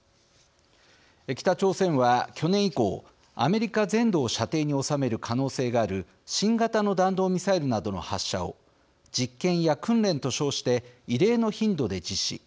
北朝鮮は去年以降アメリカ全土を射程に収める可能性がある新型の弾道ミサイルなどの発射を実験や訓練と称して異例の頻度で実施。